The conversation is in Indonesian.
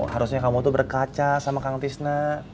harusnya kamu tuh berkaca sama kang tisna